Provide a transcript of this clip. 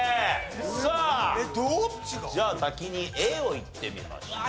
さあじゃあ先にＡをいってみましょう。